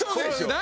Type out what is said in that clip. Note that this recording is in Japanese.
何？